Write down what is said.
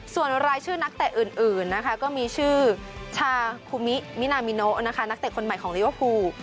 ส่วนรายชื่อนักเตะอื่นนะคะก็มีชื่อชาคุมิมินามิโนนะคะนักเตะคนใหม่ของลิเวอร์พูล